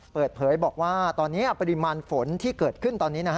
เปิดเผยบอกว่าตอนนี้ปริมาณฝนที่เกิดขึ้นตอนนี้